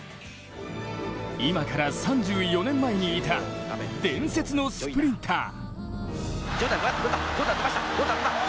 今から３４年前にいた伝説のスプリンター。